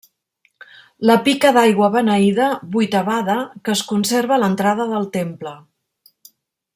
La pica d'aigua beneïda, vuitavada, que es conserva a l'entrada del temple.